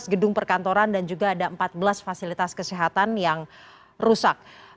tujuh belas gedung perkantoran dan juga ada empat belas fasilitas kesehatan yang rusak